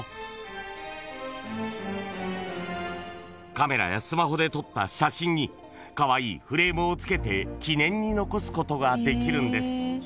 ［カメラやスマホで撮った写真にカワイイフレームをつけて記念に残すことができるんです］